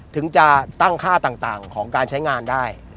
ถึงจะตั้งค่าต่างของการใช้งานได้